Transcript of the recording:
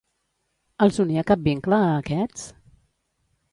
Els unia cap vincle a aquests?